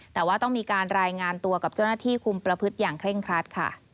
แต่ว่าต้องมีการรายงานตัวกับเจ้าหน้าที่คุมประพฤติอย่างเคร่งครัดค่ะ